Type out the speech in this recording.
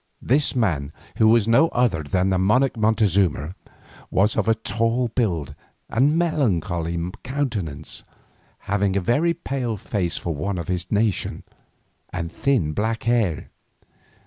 This man, who was no other than the monarch Montezuma, was of a tall build and melancholy countenance, having a very pale face for one of his nation, and thin black hair.